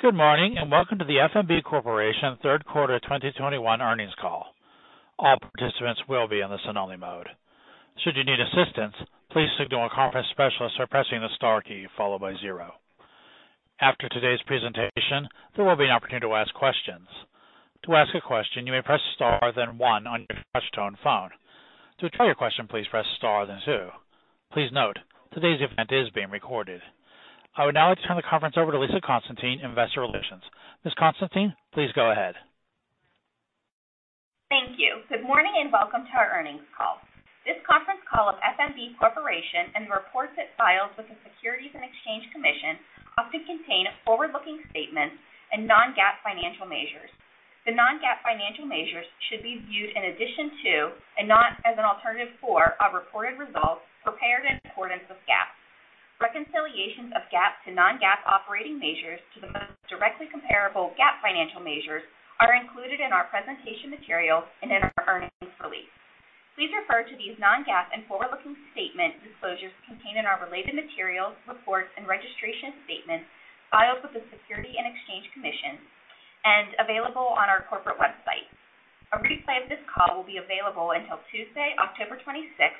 Good morning, and welcome to the F.N.B. Corporation Third Quarter 2021 Earnings Call. All participants will be in listen-only mode. Should you need assistance, please signal a conference specialist by pressing the star key, followed by zero. After today's presentation, there will be an opportunity to ask questions. To ask a question, you may press star then one on your touch-tone phone. To withdraw your question, please press star then two. Please note, today's event is being recorded. I would now like to turn the conference over to Lisa Hajdu, Investor Relations. Ms. Hajdu, please go ahead. Thank you. Good morning, and welcome to our earnings call. This conference call of F.N.B. Corporation and the reports it files with the Securities and Exchange Commission often contain forward-looking statements and non-GAAP financial measures. The non-GAAP financial measures should be viewed in addition to, and not as an alternative for, our reported results prepared in accordance with GAAP. Reconciliations of GAAP to non-GAAP operating measures to the most directly comparable GAAP financial measures are included in our presentation material and in our earnings release. Please refer to these non-GAAP and forward-looking statement disclosures contained in our related materials, reports, and registration statements filed with the Securities and Exchange Commission, and available on our corporate website. A replay of this call will be available until Tuesday, October 26th,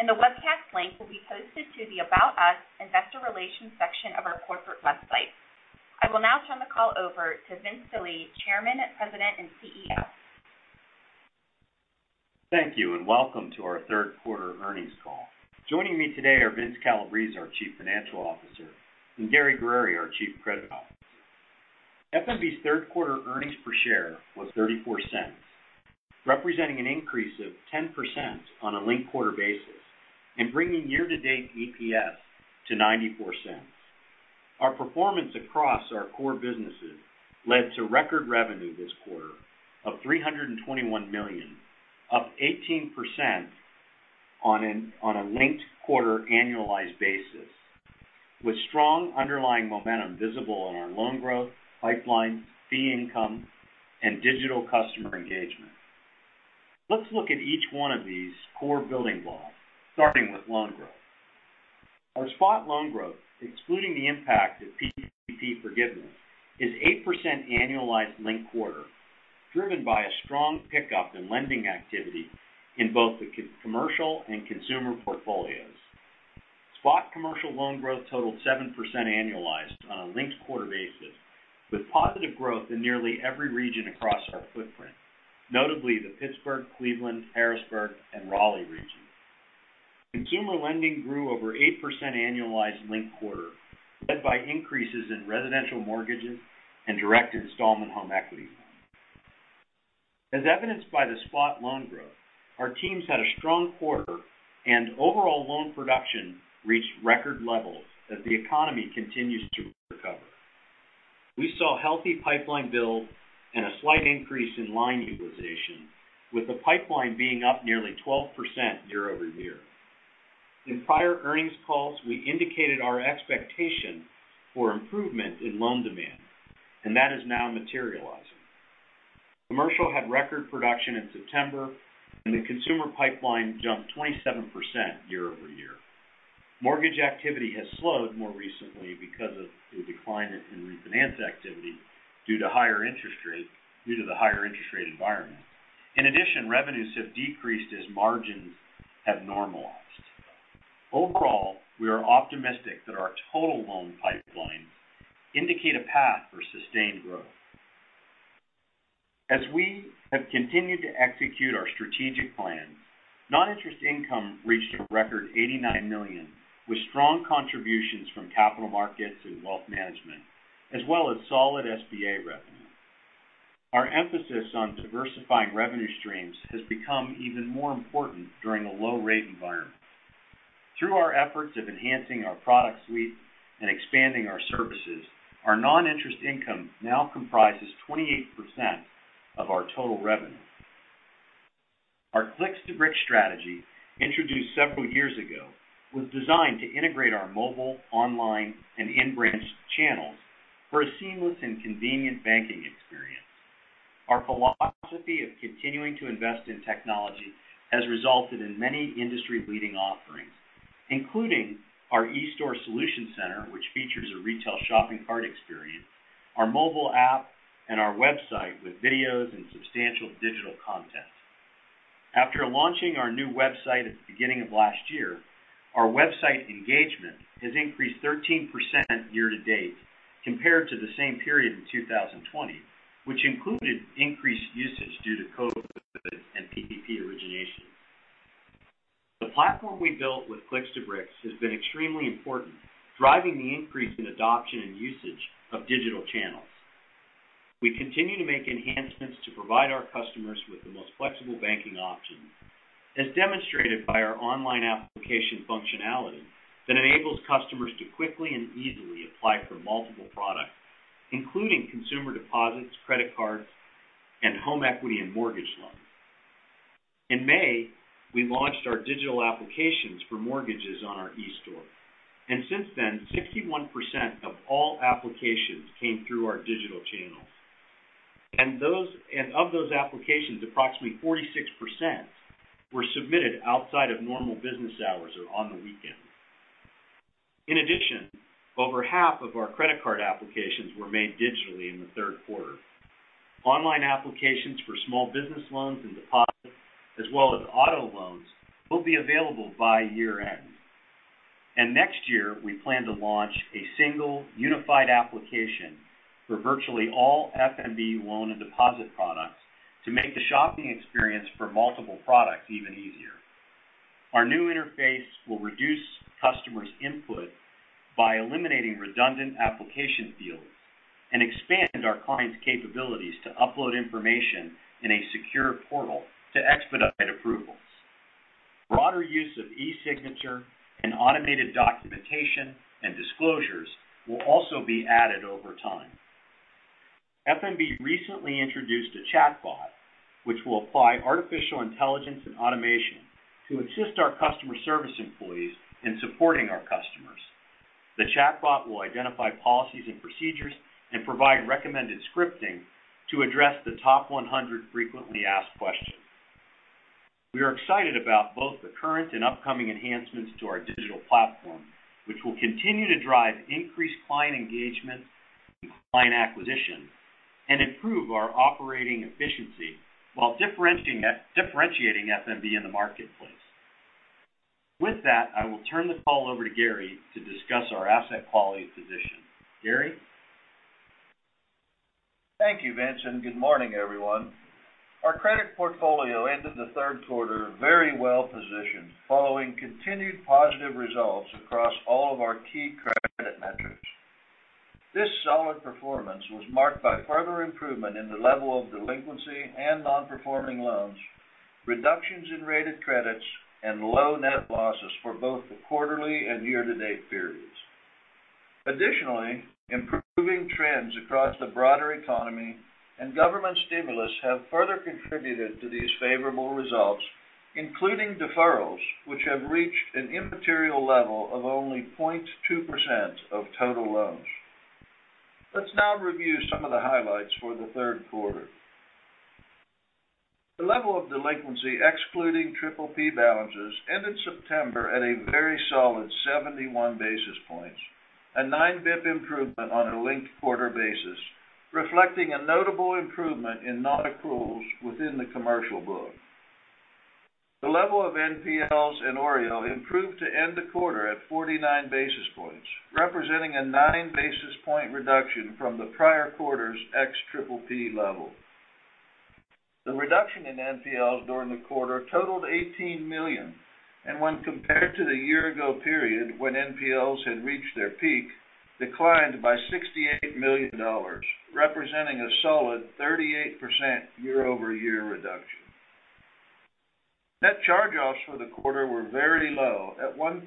and the webcast link will be posted to the About Us, Investor Relations section of our corporate website. I will now turn the call over to Vincent J. Delie, Jr., Chairman, President, and CEO. Thank you, and welcome to our third quarter earnings call. Joining me today are Vincent J. Delie, Jr., our Chief Financial Officer, and Gary Guerrieri, our Chief Credit Officer. F.N.B.'s third quarter earnings per share was $0.34, representing an increase of 10% on a linked quarter basis and bringing year-to-date EPS to $0.94. Our performance across our core businesses led to record revenue this quarter of $321 million, up 18% on a linked quarter annualized basis with strong underlying momentum visible in our loan growth, pipeline, fee income, and digital customer engagement. Let's look at each one of these core building blocks, starting with loan growth. Our spot loan growth, excluding the impact of PPP forgiveness, is 8% annualized linked quarter, driven by a strong pickup in lending activity in both the commercial and consumer portfolios. Spot commercial loan growth totaled 7% annualized on a linked quarter basis, with positive growth in nearly every region across our footprint, notably the Pittsburgh, Cleveland, Harrisburg, and Raleigh regions. Consumer lending grew over 8% annualized linked quarter, led by increases in residential mortgages and direct installment home equity loans. As evidenced by the spot loan growth, our teams had a strong quarter, and overall loan production reached record levels as the economy continues to recover. We saw healthy pipeline build and a slight increase in line utilization, with the pipeline being up nearly 12% year-over-year. In prior earnings calls, we indicated our expectation for improvement in loan demand, and that is now materializing. Commercial had record production in September, and the consumer pipeline jumped 27% year-over-year. Mortgage activity has slowed more recently because of the decline in refinance activity due to the higher interest rate environment. In addition, revenues have decreased as margins have normalized. Overall, we are optimistic that our total loan pipelines indicate a path for sustained growth. As we have continued to execute our strategic plan, non-interest income reached a record $89 million, with strong contributions from capital markets and wealth management, as well as solid SBA revenue. Our emphasis on diversifying revenue streams has become even more important during a low-rate environment. Through our efforts of enhancing our product suite and expanding our services, our non-interest income now comprises 28% of our total revenue. Our Clicks-to-Bricks strategy, introduced several years ago, was designed to integrate our mobile, online, and in-branch channels for a seamless and convenient banking experience. Our philosophy of continuing to invest in technology has resulted in many industry-leading offerings, including our eStore Solution Center, which features a retail shopping cart experience, our mobile app, and our website with videos and substantial digital content. After launching our new website at the beginning of last year, our website engagement has increased 13% year-to-date compared to the same period in 2020, which included increased usage due to COVID and PPP origination. The platform we built with Clicks-to-Bricks has been extremely important, driving the increase in adoption and usage of digital channels. We continue to make enhancements to provide our customers with the most flexible banking options, as demonstrated by our online application functionality that enables customers to quickly and easily apply for multiple products, including consumer deposits, credit cards, and home equity and mortgage loans. In May, we launched our digital applications for mortgages on our eStore. Since then, 61% of all applications came through our digital channels. Of those applications, approximately 46% were submitted outside of normal business hours or on the weekend. In addition, over half of our credit card applications were made digitally in the third quarter. Online applications for small business loans and deposits, as well as auto loans, will be available by year-end. Next year, we plan to launch a single unified application for virtually all F.N.B. loan and deposit products to make the shopping experience for multiple products even easier. Our new interface will reduce customers' input by eliminating redundant application fields and expand our clients' capabilities to upload information in a secure portal to expedite approvals. Broader use of e-signature and automated documentation and disclosures will also be added over time. Recently introduced a chatbot, which will apply artificial intelligence and automation to assist our customer service employees in supporting our customers. The chatbot will identify policies and procedures and provide recommended scripting to address the top 100 frequently asked questions. We are excited about both the current and upcoming enhancements to our digital platform, which will continue to drive increased client engagement and client acquisition and improve our operating efficiency while differentiating F.N.B. in the marketplace. With that, I will turn the call over to Gary to discuss our asset quality position. Gary? Thank you, Vince, and good morning, everyone. Our credit portfolio ended the 3rd quarter very well positioned, following continued positive results across all of our key credit metrics. This solid performance was marked by further improvement in the level of delinquency and non-performing loans, reductions in rated credits, and low net losses for both the quarterly and year-to-date periods. Additionally, improving trends across the broader economy and government stimulus have further contributed to these favorable results, including deferrals, which have reached an immaterial level of only 0.2% of total loans. Let's now review some of the highlights for the 3rd quarter. The level of delinquency, excluding PPP balances, ended September at a very solid 71 basis points, a 9 basis points improvement on a linked-quarter basis, reflecting a notable improvement in non-accruals within the commercial book. The level of NPLs in OREO improved to end the quarter at 49 basis points, representing a 9 basis point reduction from the prior quarter's ex PPP level. The reduction in NPLs during the quarter totaled $18 million, and when compared to the year-ago period when NPLs had reached their peak, declined by $68 million, representing a solid 38% year-over-year reduction. Net charge-offs for the quarter were very low at $1.6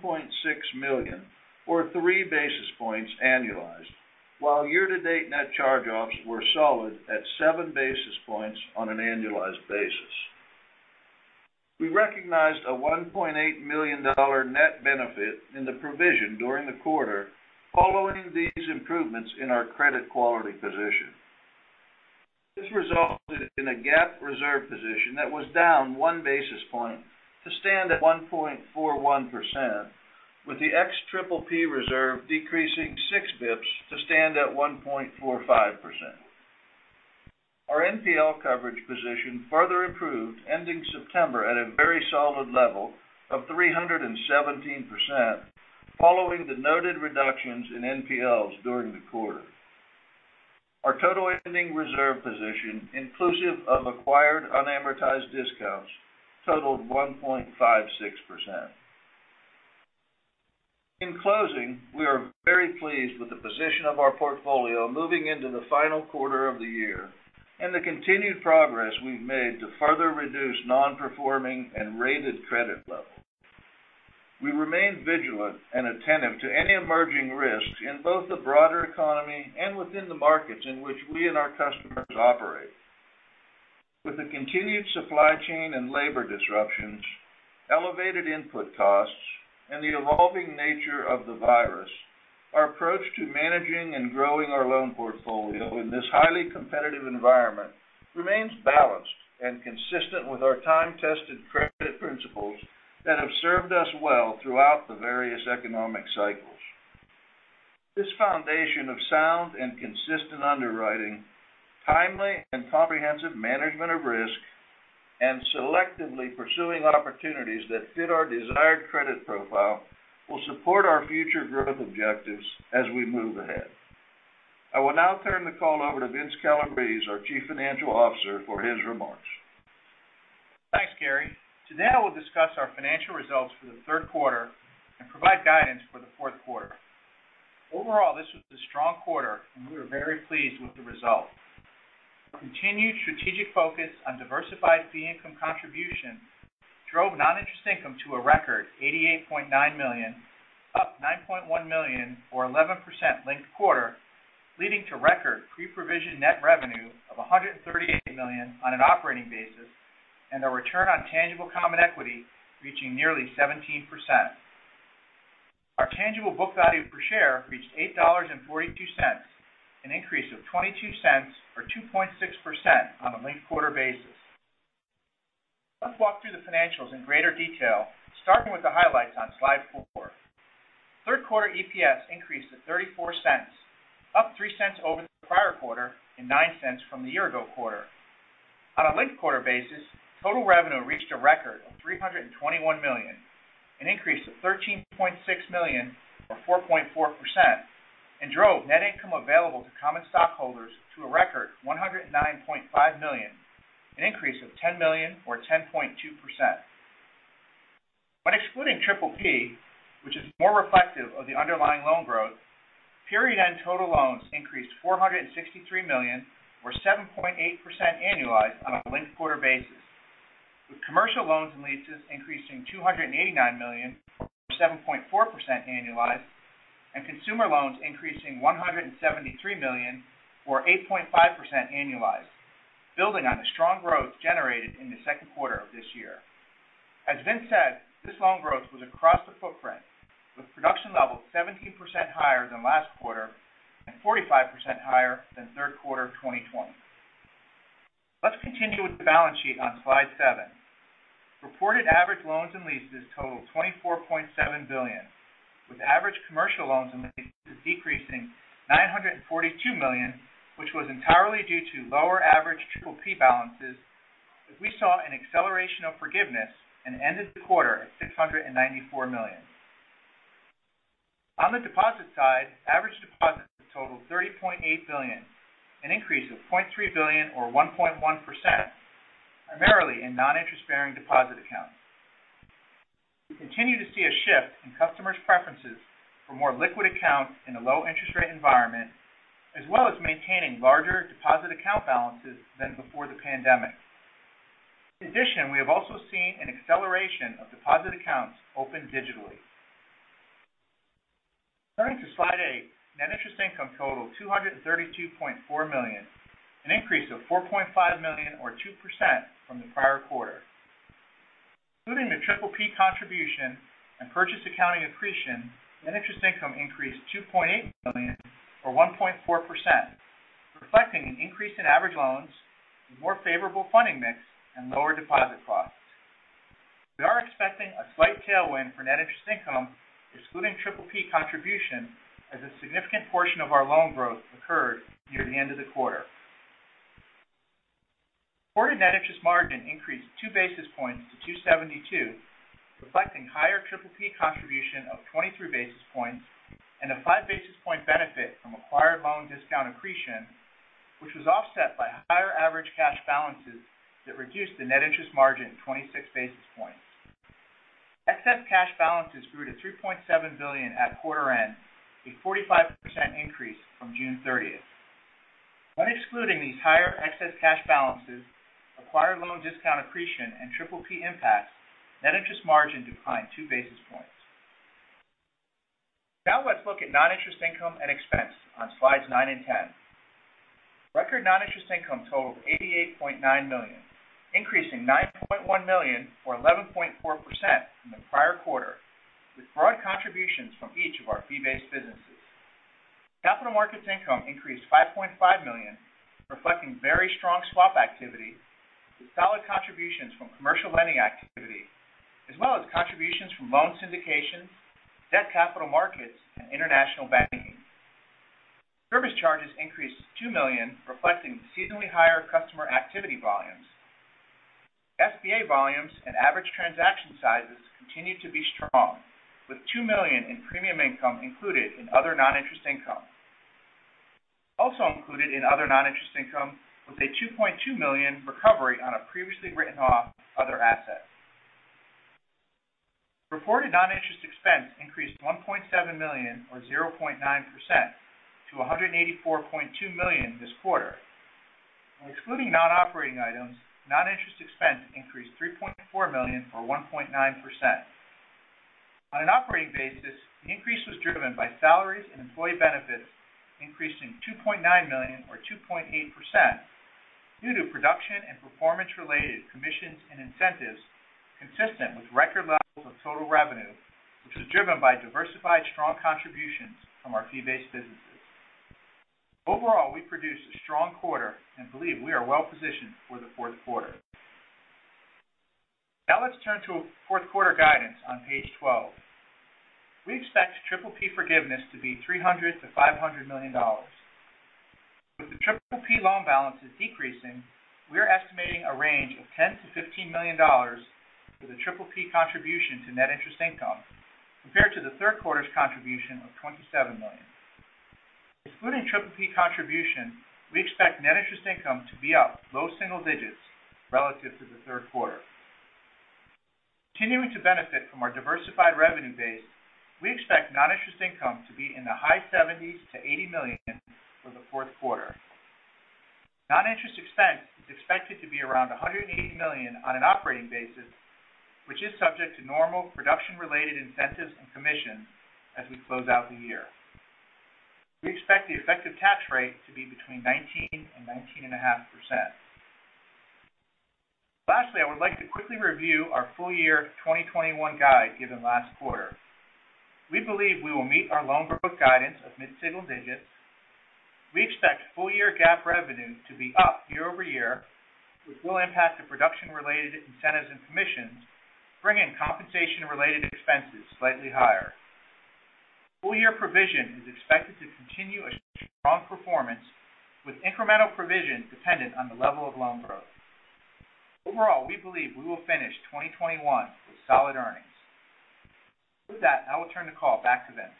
million, or 3 basis points annualized, while year-to-date net charge-offs were solid at 7 basis points on an annualized basis. We recognized a $1.8 million net benefit in the provision during the quarter following these improvements in our credit quality position. This resulted in a GAAP reserve position that was down 1 basis point to stand at 1.41%, with the ex PPP reserve decreasing 6 bips to stand at 1.45%. Our NPL coverage position further improved, ending September at a very solid level of 317%, following the noted reductions in NPLs during the quarter. Our total ending reserve position, inclusive of acquired unamortized discounts, totaled 1.56%. In closing, we are very pleased with the position of our portfolio moving into the final quarter of the year and the continued progress we've made to further reduce non-performing and rated credit levels. We remain vigilant and attentive to any emerging risks in both the broader economy and within the markets in which we and our customers operate. With the continued supply chain and labor disruptions, elevated input costs, and the evolving nature of the virus, our approach to managing and growing our loan portfolio in this highly competitive environment remains balanced and consistent with our time-tested credit principles that have served us well throughout the various economic cycles. This foundation of sound and consistent underwriting, timely and comprehensive management of risk, and selectively pursuing opportunities that fit our desired credit profile will support our future growth objectives as we move ahead. I will now turn the call over to Vincent J. Calabrese, Jr., our Chief Financial Officer, for his remarks. Thanks, Gary. Today, I will discuss our financial results for the third quarter and provide guidance for the fourth quarter. Overall, this was a strong quarter, and we were very pleased with the result. Continued strategic focus on diversified fee income contribution drove non-interest income to a record $88.9 million, up $9.1 million or 11% linked quarter, leading to record pre-provision net revenue of $138 million on an operating basis and a return on tangible common equity reaching nearly 17%. Our tangible book value per share reached $8.42, an increase of $0.22 or 2.6% on a linked quarter basis. Let's walk through the financials in greater detail, starting with the highlights on slide four. Third quarter EPS increased to $0.34, up $0.03 over the prior quarter and $0.09 from the year ago quarter. On a linked quarter basis, total revenue reached a record of $321 million, an increase of $13.6 million or 4.4%, and drove net income available to common stockholders to a record $109.5 million, an increase of $10 million or 10.2%. When excluding PPP, which is more reflective of the underlying loan growth, period end total loans increased $463 million or 7.8% annualized on a linked quarter basis, with commercial loans and leases increasing $289 million or 7.4% annualized, and consumer loans increasing $173 million or 8.5% annualized, building on the strong growth generated in the second quarter of this year. As Vince said, this loan growth was across the footprint, with production levels 17% higher than last quarter and 45% higher than third quarter of 2020. Let's continue with the balance sheet on slide seven. Reported average loans and leases totaled $24.7 billion, with average commercial loans and leases decreasing $942 million, which was entirely due to lower average PPP balances, as we saw an acceleration of forgiveness and ended the quarter at $694 million. On the deposit side, average deposits totaled $30.8 billion, an increase of $0.3 billion or 1.1%, primarily in non-interest-bearing deposit accounts. We continue to see a shift in customers' preferences for more liquid accounts in a low interest rate environment, as well as maintaining larger deposit account balances than before the pandemic. We have also seen an acceleration of deposit accounts opened digitally. Turning to slide eight, net interest income totaled $232.4 million, an increase of $4.5 million or 2% from the prior quarter. Including the PPP contribution and purchase accounting accretion, net interest income increased $2.8 million or 1.4%, reflecting an increase in average loans, a more favorable funding mix, and lower deposit costs. We are expecting a slight tailwind for net interest income, excluding PPP contribution, as a significant portion of our loan growth occurred near the end of the quarter. Reported net interest margin increased 2 basis points to 272, reflecting higher PPP contribution of 23 basis points and a 5 basis point benefit from acquired loan discount accretion, which was offset by higher average cash balances that reduced the net interest margin 26 basis points. Excess cash balances grew to $3.7 billion at quarter end, a 45% increase from June 30, 2021. When excluding these higher excess cash balances, acquired loan discount accretion, and PPP impacts, net interest margin declined 2 basis points. Now let's look at non-interest income and expense on slides 9 and 10. Record non-interest income totaled $88.9 million, increasing $9.1 million or 11.4% from the prior quarter, with broad contributions from each of our fee-based businesses. Capital markets income increased $5.5 million, reflecting very strong swap activity with solid contributions from commercial lending activity, as well as contributions from loan syndications, debt capital markets, and international banking. Service charges increased to $2 million, reflecting seasonally higher customer activity volumes. SBA volumes and average transaction sizes continued to be strong, with $2 million in premium income included in other non-interest income. Also included in other non-interest income was a $2.2 million recovery on a previously written off other asset. Reported non-interest expense increased $1.7 million or 0.9% to $184.2 million this quarter. When excluding non-operating items, non-interest expense increased $3.4 million or 1.9%. On an operating basis, the increase was driven by salaries and employee benefits increasing $2.9 million or 2.8%, due to production and performance related commissions and incentives consistent with record levels of total revenue, which was driven by diversified, strong contributions from our fee-based businesses. Overall, we produced a strong quarter and believe we are well positioned for the fourth quarter. Now let's turn to fourth quarter guidance on page 12. We expect PPP forgiveness to be $300 million-$500 million. With the PPP loan balances decreasing, we are estimating a range of $10 million-$15 million for the PPP contribution to net interest income compared to the third quarter's contribution of $27 million. Excluding PPP contribution, we expect net interest income to be up low single digits relative to the third quarter. Continuing to benefit from our diversified revenue base, we expect non-interest income to be in the $70 million-$80 million for the fourth quarter. Non-interest expense is expected to be around $180 million on an operating basis, which is subject to normal production related incentives and commissions as we close out the year. We expect the effective tax rate to be between 19% and 19.5%. Lastly, I would like to quickly review our full year 2021 guide given last quarter. We believe we will meet our loan growth guidance of mid-single digits. We expect full year GAAP revenue to be up year-over-year, which will impact the production-related incentives and commissions, bringing compensation-related expenses slightly higher. Full year provision is expected to continue a strong performance with incremental provision dependent on the level of loan growth. Overall, we believe we will finish 2021 with solid earnings. With that, I will turn the call back to Vince.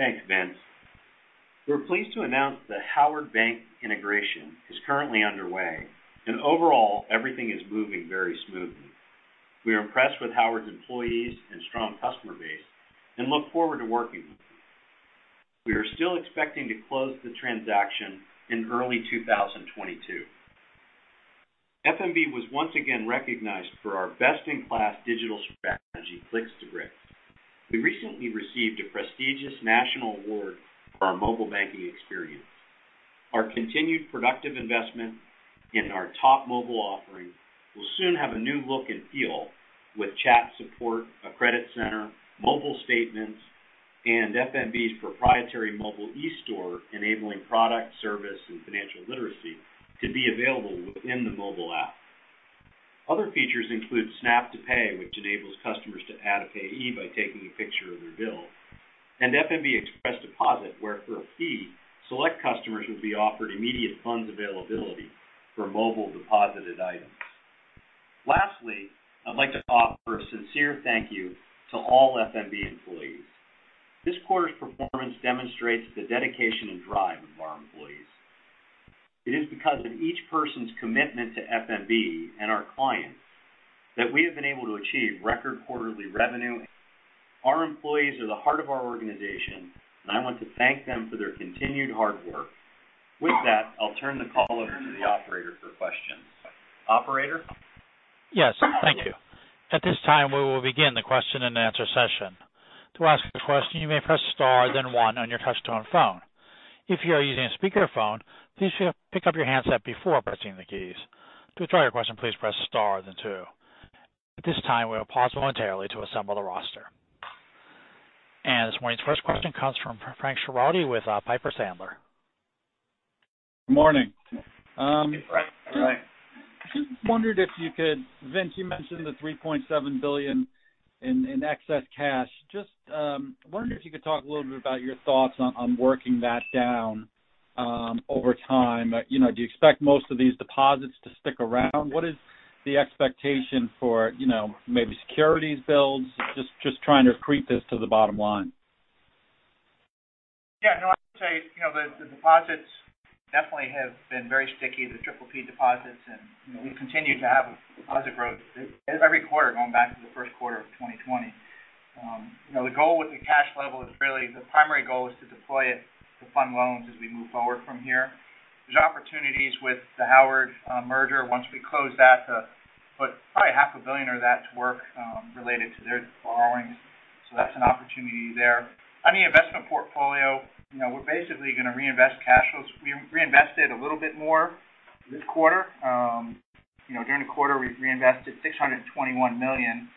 Thanks, Vince. We're pleased to announce the Howard Bank integration is currently underway, and overall, everything is moving very smoothly. We are impressed with Howard's employees and strong customer base and look forward to working with them. We are still expecting to close the transaction in early 2022. F.N.B. was once again recognized for our best-in-class digital strategy, Clicks-to-Bricks. We recently received a prestigious national award for our mobile banking experience. Our continued productive investment in our top mobile offering will soon have a new look and feel with chat support, a credit center, mobile statements, and F.N.B.'s proprietary mobile eStore enabling product, service, and financial literacy to be available within the mobile app. Other features include Snap-to-Pay, which enables customers to add a payee by taking a picture of their bill, and F.N.B. Express Deposit, where for a fee, select customers will be offered immediate funds availability for mobile deposited items. Lastly, I'd like to offer a sincere thank you to all F.N.B. employees. This quarter's performance demonstrates the dedication and drive of our employees. It is because of each person's commitment to F.N.B. and our clients that we have been able to achieve record quarterly revenue. Our employees are the heart of our organization, and I want to thank them for their continued hard work. With that, I'll turn the call over to the operator for questions. Operator? Yes. Thank you. At this time, we will begin the question and answer session. To ask a question, you may press star then one on your touch-tone phone. If you are using a speakerphone, please pick up your handset before pressing the keys. To withdraw your question, please press star then two. At this time, we will pause momentarily to assemble the roster. This morning's first question comes from Frank Schiraldi with Piper Sandler. Morning. Good morning, Frank. Vince, you mentioned the $3.7 billion in excess cash. Just wondered if you could talk a little bit about your thoughts on working that down over time. Do you expect most of these deposits to stick around? What is the expectation for maybe securities builds? Just trying to accrete this to the bottom line. Yeah, no. I'd say, the deposits definitely have been very sticky, the PPP deposits, and we've continued to have deposit growth every quarter, going back to the 1st quarter of 2020. The goal with the cash level is really the primary goal is to deploy it to fund loans as we move forward from here. There's opportunities with the Howard merger once we close that to put probably half a billion of that to work related to their borrowings. That's an opportunity there. On the investment portfolio, we're basically going to reinvest cash flows. We reinvested a little bit more this quarter. During the quarter, we reinvested $621 million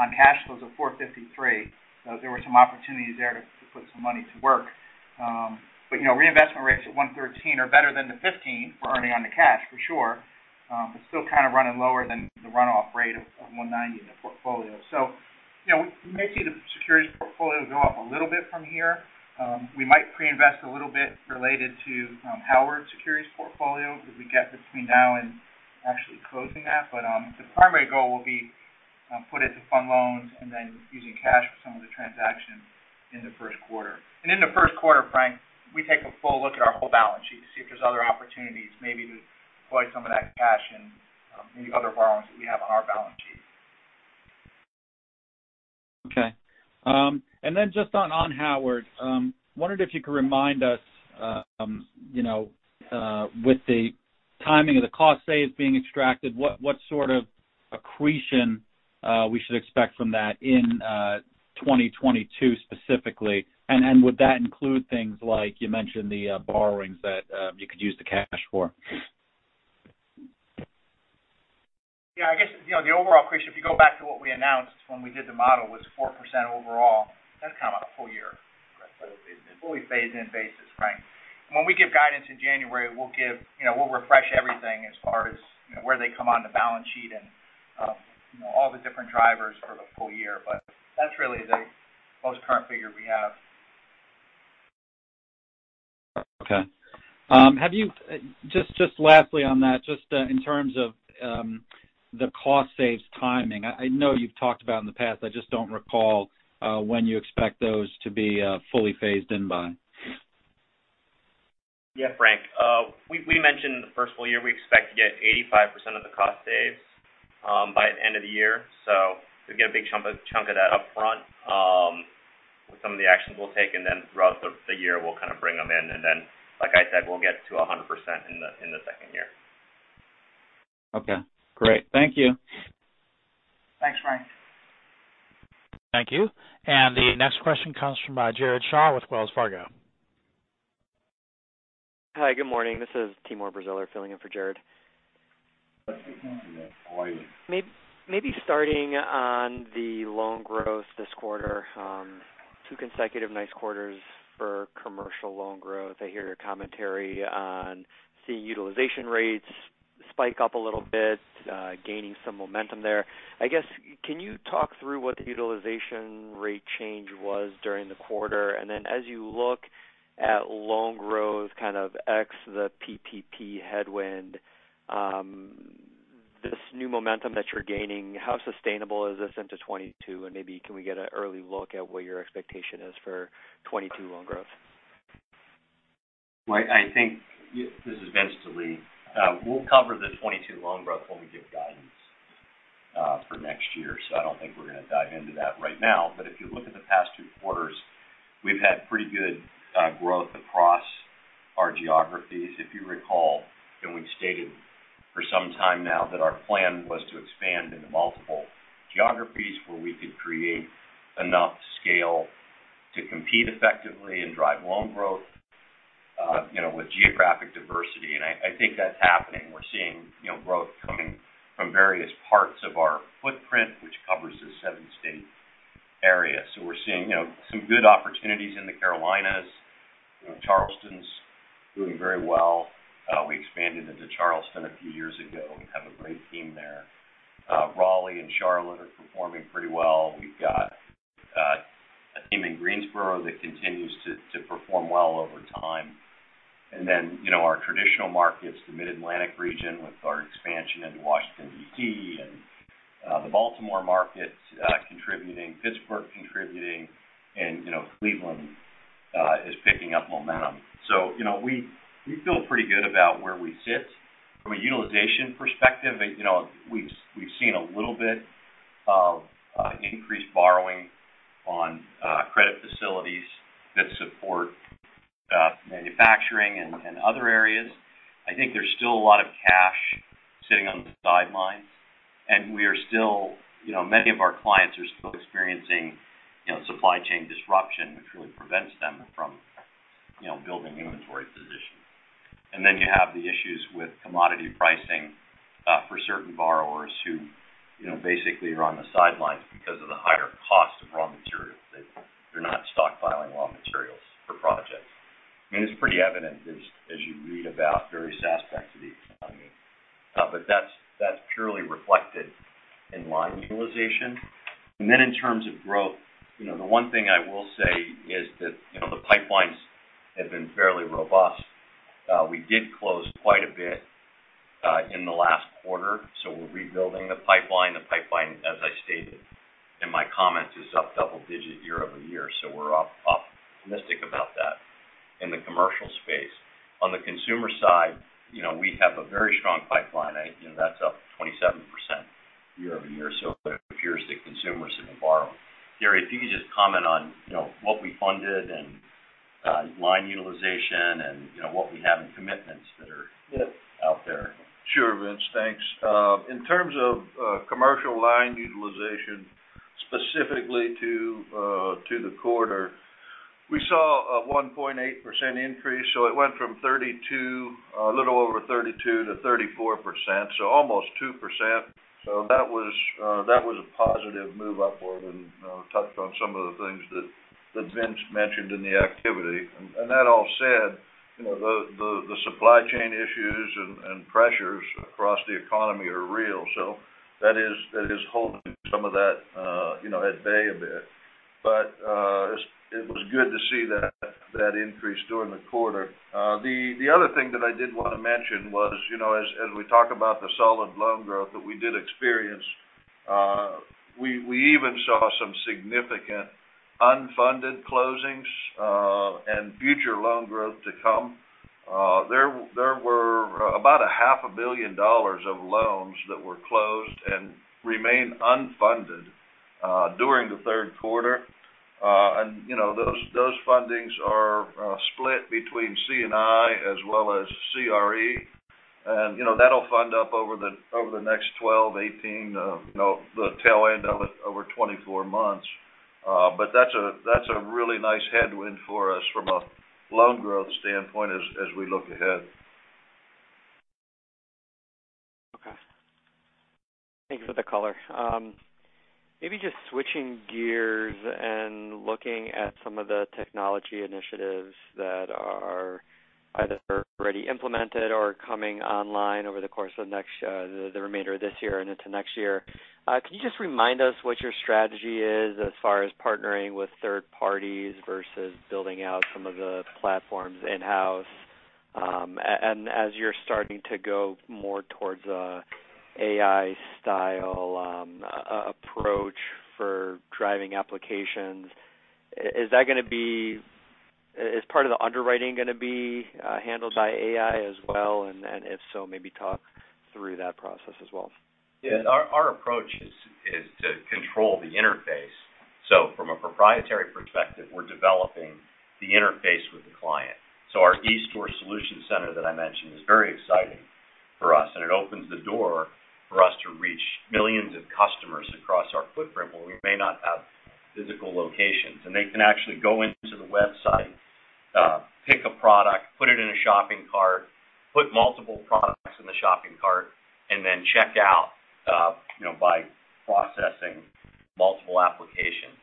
on cash flows of $453 million. There were some opportunities there to put some money to work. Reinvestment rates at 1.13% are better than the 0.15% we're earning on the cash, for sure. Still kind of running lower than the runoff rate of 190 in the portfolio. We may see the securities portfolio go up a little bit from here. We might pre-invest a little bit related to Howard's securities portfolio as we get between now and actually closing that. The primary goal will be put it to fund loans and then using cash for some of the transaction in the first quarter. In the first quarter, Frank, we take a full look at our whole balance sheet to see if there's other opportunities maybe to deploy some of that cash in maybe other borrowings that we have on our balance sheet. Okay. Then just on Howard, wondered if you could remind us, with the timing of the cost saves being extracted, what sort of accretion we should expect from that in 2022 specifically? Would that include things like you mentioned, the borrowings that you could use the cash for? Yeah. I guess, the overall accretion, if you go back to what we announced when we did the model, was 4% overall. That's kind of on a full year. Fully phased in. Fully phased in basis, Frank. When we give guidance in January, we'll refresh everything as far as where they come on the balance sheet and all the different drivers for the full year. That's really the most current figure we have. Okay. Just lastly on that, just in terms of the cost saves timing, I know you've talked about in the past, I just don't recall when you expect those to be fully phased in by. Yeah, Frank. We mentioned the first full year, we expect to get 85% of the cost saves by the end of the year. We get a big chunk of that upfront with some of the actions we'll take, and then throughout the year, we'll kind of bring them in. Like I said, we'll get to 100% in the second year. Okay, great. Thank you. Thank you. The next question comes from Jared Shaw with Wells Fargo. Hi, good morning. This is Timur Braziler filling in for Jared. Starting on the loan growth this quarter. Two consecutive nice quarters for commercial loan growth. I hear your commentary on seeing utilization rates spike up a little bit, gaining some momentum there. I guess, can you talk through what the utilization rate change was during the quarter? As you look at loan growth, kind of ex the PPP headwind, this new momentum that you're gaining, how sustainable is this into 2022? Maybe can we get an early look at what your expectation is for 2022 loan growth? Well, this is Vincent Delie. We'll cover the 2022 loan growth when we give guidance for next year. I don't think we're going to dive into that right now. If you look at the past 2 quarters, we've had pretty good growth across our geographies. If you recall, and we've stated for some time now that our plan was to expand into multiple geographies where we could create enough scale to compete effectively and drive loan growth with geographic diversity. I think that's happening. We're seeing growth coming from various parts of our footprint, which covers the 7-state area. We're seeing some good opportunities in the Carolinas. Charleston's doing very well. We expanded into Charleston a few years ago. We have a great team there. Raleigh and Charlotte are performing pretty well. We've got a team in Greensboro that continues to perform well over time. Our traditional markets, the Mid-Atlantic region with our expansion into Washington, D.C., and the Baltimore markets contributing, Pittsburgh contributing, and Cleveland is picking up momentum. We feel pretty good about where we sit. From a utilization perspective, we've seen a little bit of increased borrowing on credit facilities that support manufacturing and other areas. I think there's still a lot of cash sitting on the sidelines, and many of our clients are still experiencing supply chain disruption, which really prevents them from building inventory positions. You have the issues with commodity pricing for certain borrowers who basically are on the sidelines because of the higher cost of raw materials, that they're not stockpiling raw materials for projects. I mean, it's pretty evident as you read about various aspects of the economy. That's purely reflected in line utilization. In terms of growth, the one thing I will say is that the pipelines have been fairly robust. We did close quite a bit in the last quarter, so we're rebuilding the pipeline. The pipeline, as I stated in my comments, is up double-digit year-over-year. We're optimistic about that in the commercial space. On the consumer side, we have a very strong pipeline. That's up 27% year-over-year. It appears that consumers are going to borrow. Gary, if you could just comment on what we funded and line utilization and what we have in commitments that are out there. Sure, Vince. Thanks. In terms of commercial line utilization, specifically to the quarter, we saw a 1.8% increase. It went from a little over 32% to 34%, so almost 2%. That was a positive move upward, and touched on some of the things that Vince mentioned in the activity. That all said, the supply chain issues and pressures across the economy are real. That is holding some of that at bay a bit. It was good to see that increase during the quarter. The other thing that I did want to mention was, as we talk about the solid loan growth that we did experience, we even saw some significant unfunded closings and future loan growth to come. There were about a half a billion dollars of loans that were closed and remain unfunded during the third quarter. Those fundings are split between C&I as well as CRE. That'll fund up over the next 12, 18, the tail end of it over 24 months. That's a really nice headwind for us from a loan growth standpoint as we look ahead. Okay. Thank you for the color. Just switching gears and looking at some of the technology initiatives that are either already implemented or coming online over the course of the remainder of this year and into next year. Can you just remind us what your strategy is as far as partnering with third parties versus building out some of the platforms in-house? As you're starting to go more towards a AI style approach for driving applications, is part of the underwriting going to be handled by AI as well? If so, maybe talk through that process as well. Yeah. Our approach is to control the interface. From a proprietary perspective, we're developing the interface with the client. Our eStore solution center that I mentioned is very exciting for us, and it opens the door for us to reach millions of customers across our footprint where we may not have physical locations. They can actually go into the website, pick a product, put it in a shopping cart, put multiple products in the shopping cart, and then check out by processing multiple applications.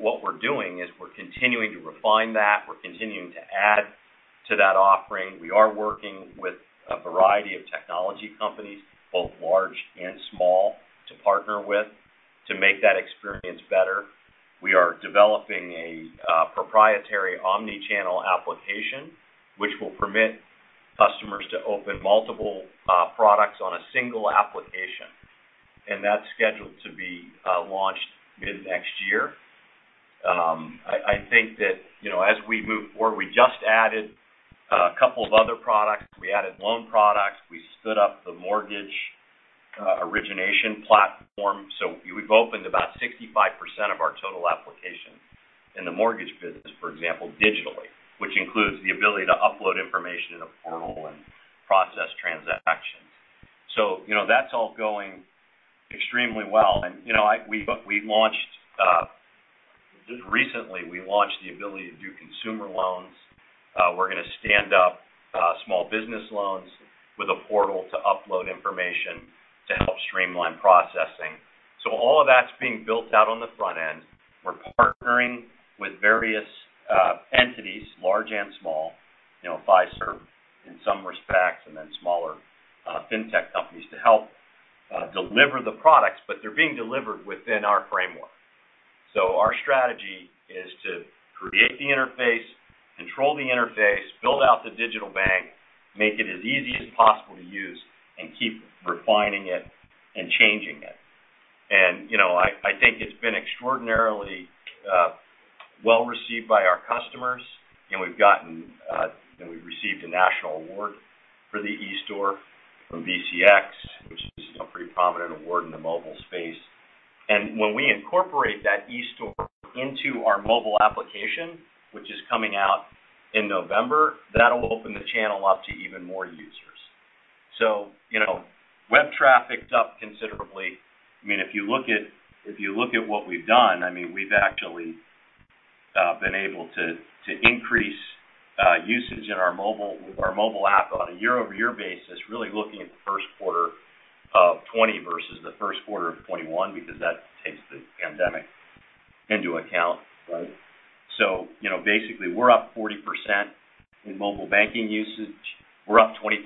What we're doing is we're continuing to refine that. We're continuing to add to that offering. We are working with a variety of technology companies, both large and small, to partner with to make that experience better. We are developing a proprietary omnichannel application, which will permit customers to open multiple products on a single application. That's scheduled to be launched mid-next year. I think that as we move forward, we just added a couple of other products. We added loan products. We stood up the mortgage origination platform. We've opened about 65% of our total applications in the mortgage business, for example, digitally, which includes the ability to upload information in a portal and process transactions. That's all going extremely well. Recently, we launched the ability to do consumer loans. We're going to stand up small business loans with a portal to upload information to help streamline processing. All of that's being built out on the front end. We're partnering with various entities, large and small, Fiserv in some respects, and then smaller fintech companies to help deliver the products, but they're being delivered within our framework. Our strategy is to create the interface, control the interface, build out the digital bank, make it as easy as possible to use, and keep refining it and changing it. I think it's been extraordinarily well received by our customers. We've received a national award for the eStore from BCX, which is a pretty prominent award in the mobile space. When we incorporate that eStore into our mobile application, which is coming out in November, that'll open the channel up to even more users. Web traffic's up considerably. If you look at what we've done, we've actually been able to increase usage with our mobile app on a year-over-year basis, really looking at the first quarter of 2020 versus the first quarter of 2021 because that takes the pandemic into account, right? Basically, we're up 40% in mobile banking usage. We're up 25%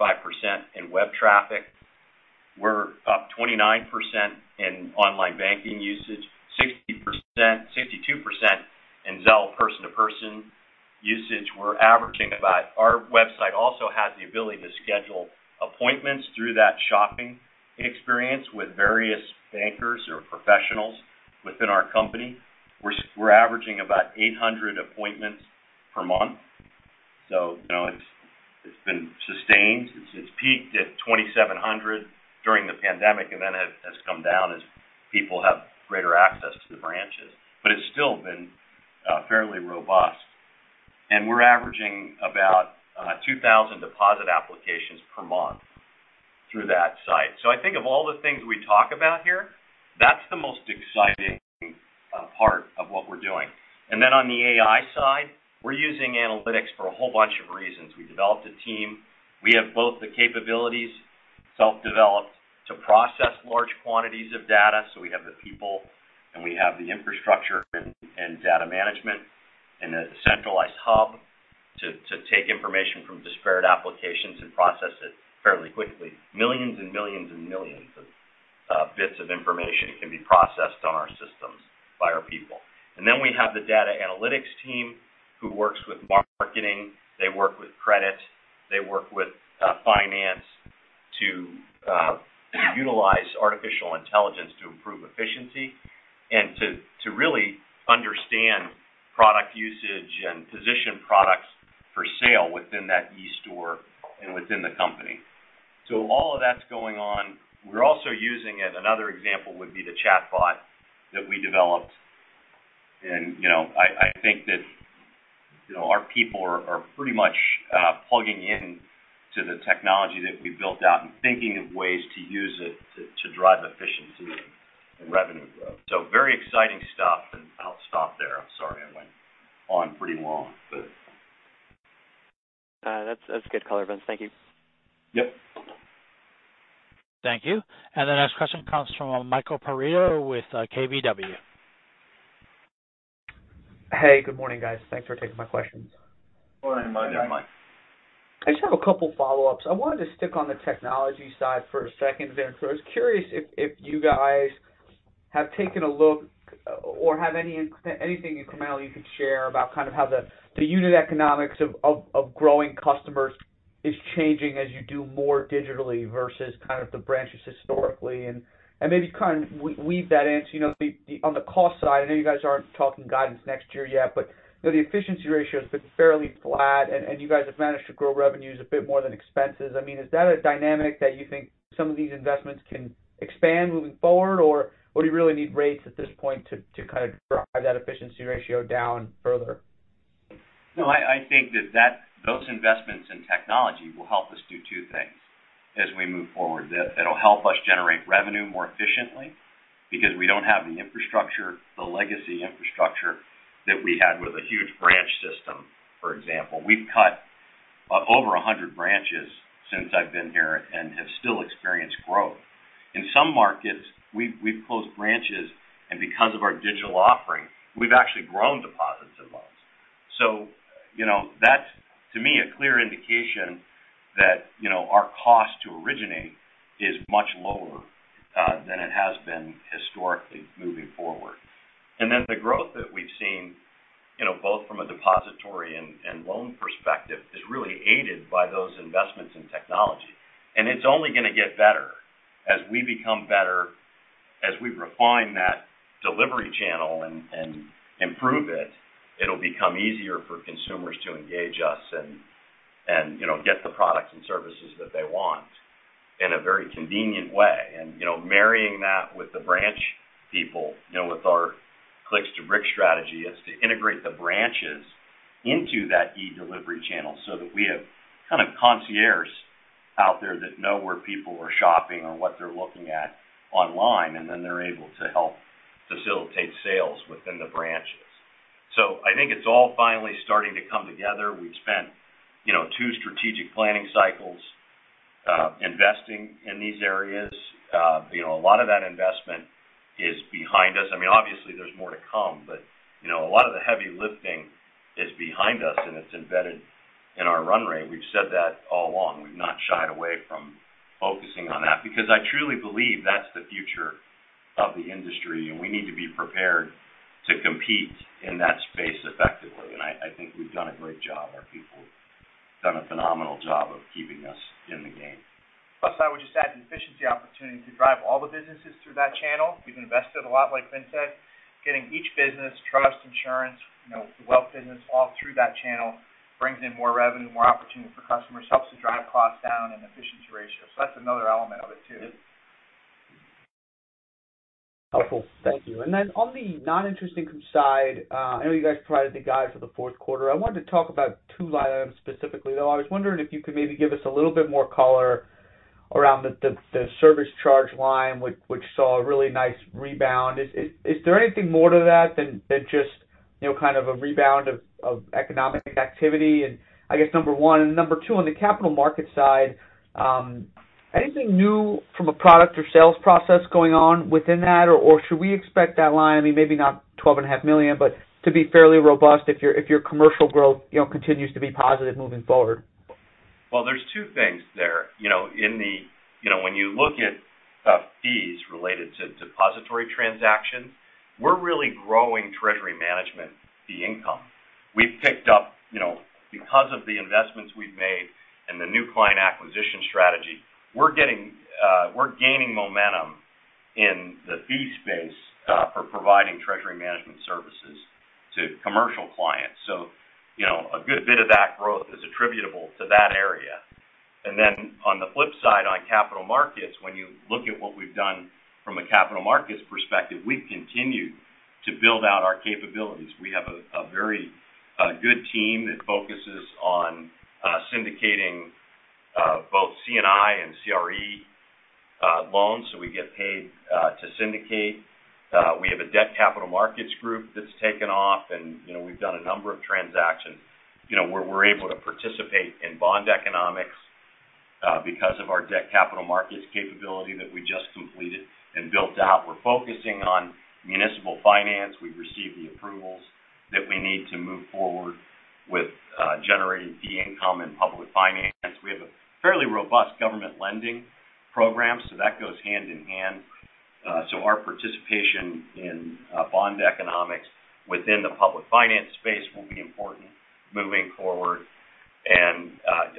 in web traffic. We're up 29% in online banking usage, 62% in Zelle person-to-person usage. Our website also has the ability to schedule appointments through that shopping experience with various bankers or professionals within our company. We're averaging about 800 appointments per month. It's been sustained. It's peaked at 2,700 during the pandemic and then has come down as people have greater access to the branches. It's still been fairly robust. We're averaging about 2,000 deposit applications per month through that site. I think of all the things we talk about here, that's the most exciting part of what we're doing. On the AI side, we're using analytics for a whole bunch of reasons. We developed a team. We have both the capabilities, self-developed, to process large quantities of data. We have the people, and we have the infrastructure and data management in a centralized hub to take information from disparate applications and process it fairly quickly. Millions and millions of bits of information can be processed on our systems by our people. Then we have the data analytics team who works with marketing, they work with credit, they work with finance to utilize artificial intelligence to improve efficiency and to really understand product usage and position products for sale within that eStore and within the company. All of that's going on. We're also using it. Another example would be the chatbot that we developed, and I think that our people are pretty much plugging into the technology that we built out and thinking of ways to use it to drive efficiency and revenue growth. Very exciting stuff, and I'll stop there. I'm sorry I went on pretty long. That's good color, Vince. Thank you. Yep. Thank you. The next question comes from Michael Perito with KBW. Hey, good morning, guys. Thanks for taking my questions. Morning, Michael. I just have a couple follow-ups. I wanted to stick on the technology side for a second, Vince. I was curious if you guys have taken a look or have anything incrementally you could share about how the unit economics of growing customers is changing as you do more digitally versus the branches historically and maybe weave that into on the cost side. I know you guys aren't talking guidance next year yet, the efficiency ratio has been fairly flat, and you guys have managed to grow revenues a bit more than expenses. Is that a dynamic that you think some of these investments can expand moving forward, or do you really need rates at this point to drive that efficiency ratio down further? No, I think that those investments in technology will help us do two things as we move forward. It'll help us generate revenue more efficiently because we don't have the legacy infrastructure that we had with a huge branch system, for example. We've cut over 100 branches since I've been here and have still experienced growth. In some markets, we've closed branches, and because of our digital offering, we've actually grown deposits and loans. That's, to me, a clear indication that our cost to originate is much lower than it has been historically moving forward. The growth that we've seen, both from a depository and loan perspective, is really aided by those investments in technology. It's only going to get better as we become better. As we refine that delivery channel and improve it'll become easier for consumers to engage us and get the products and services that they want in a very convenient way. Marrying that with the branch people, with our Clicks-to-Bricks strategy, is to integrate the branches into that e-delivery channel so that we have kind of concierge out there that know where people are shopping or what they're looking at online, and then they're able to help facilitate sales within the branches. I think it's all finally starting to come together. We've spent two strategic planning cycles investing in these areas. A lot of that investment is behind us. Obviously, there's more to come, a lot of the heavy lifting is behind us, and it's embedded in our run rate. We've said that all along. We've not shied away from focusing on that because I truly believe that's the future of the industry. We need to be prepared to compete in that space effectively. I think we've done a great job. Our people have done a phenomenal job of keeping us in the game. I would just add the efficiency opportunity to drive all the businesses through that channel. We've invested a lot, like Vin said. Getting each business, trust, insurance, wealth business, all through that channel brings in more revenue, more opportunity for customers, helps to drive costs down and efficiency ratios. That's another element of it too. Helpful. Thank you. Then on the non-interest income side, I know you guys provided the guide for the fourth quarter. I wanted to talk about two line items specifically, though. I was wondering if you could maybe give us a little bit more color around the service charge line, which saw a really nice rebound? Is there anything more to that than just kind of a rebound of economic activity? I guess number one and number two, on the capital market side, anything new from a product or sales process going on within that? Should we expect that line, maybe not $12.5 million, but to be fairly robust if your commercial growth continues to be positive moving forward? Well, there's two things there. When you look at fees related to depository transactions, we're really growing treasury management fee income. Because of the investments we've made and the new client acquisition strategy, we're gaining momentum in the fee space for providing treasury management services to commercial clients. A good bit of that growth is attributable to that area. On the flip side, on capital markets, when you look at what we've done from a capital markets perspective, we've continued to build out our capabilities. We have a very good team that focuses on syndicating both C&I and CRE loans, we get paid to syndicate. We have a debt capital markets group that's taken off, and we've done a number of transactions where we're able to participate in bond economics because of our debt capital markets capability that we just completed and built out. We're focusing on municipal finance. We've received the approvals that we need to move forward with generating fee income and public finance. We have a fairly robust government lending program, so that goes hand in hand. Our participation in bond economics within the public finance space will be important moving forward.